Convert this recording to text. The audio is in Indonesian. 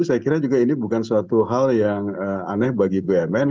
saya kira juga ini bukan suatu hal yang aneh bagi pmn